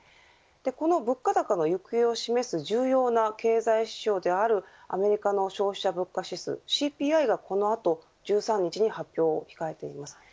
この物価高の行方を示す重要な経済指標であるアメリカの消費者物価指数ＣＰＩがこの後１３日に発表を控えています。